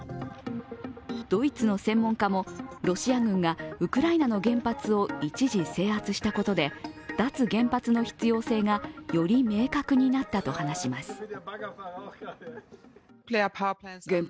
ドイツの専門家も、ロシア軍がウクライナの原発を一時制圧したことで脱原発の必要性がより明確になったと話します。